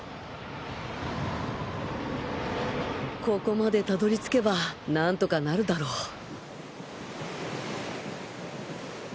ここまでたどり着けば何とかなるだろう